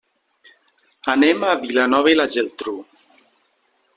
Anem a Vilanova i la Geltrú.